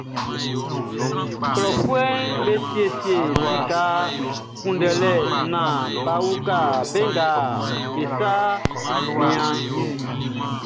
Klɔfuɛʼm be siesie sika kunndɛlɛ naan bʼa uka be nga be sa mianʼn.